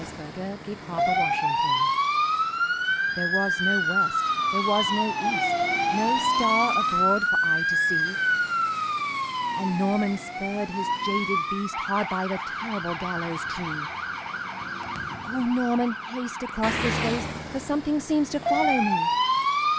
Y Z The Demon of the Gibbet THERE was no west, there was no east, No star abroad for eye to see; And Norman spurred his jaded beast Hard by the terrible gallows tree. "O Norman, haste across this waste For something seems to follow me!"